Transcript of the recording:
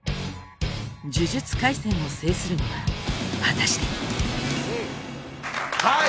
「呪術廻戦」を制するのは果たしてはい！